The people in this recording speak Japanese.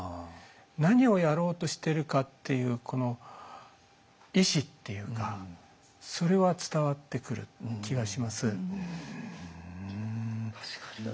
何をやろうとしてるかっていうこの意志っていうかそれは伝わってくる気がします。